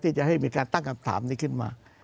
ที่จะให้มีการตั้งคำถามนี้ขึ้นมา